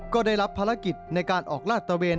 ก็ได้รับภารกิจในการออกลาดตะเวน